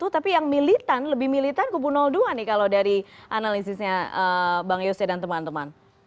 tapi yang militan lebih militan kubu dua nih kalau dari analisisnya bang yose dan teman teman